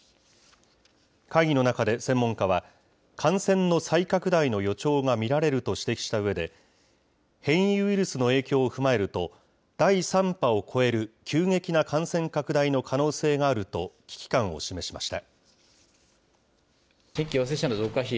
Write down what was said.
会議の中で専門家は、感染の再拡大の予兆が見られると指摘したうえで、変異ウイルスの影響を踏まえると、第３波を超える急激な感染拡大の可能性があると、危機感を示しました。